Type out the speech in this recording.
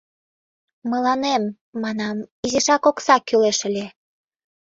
— Мыланем, — манам, — изишак окса кӱлеш ыле.